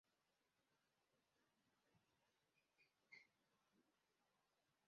Imbwa y'umukara n'imbwa yera irwana